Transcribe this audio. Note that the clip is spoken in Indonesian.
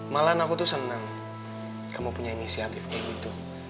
malahan aku tuh senang kamu punya inisiatif kayak gitu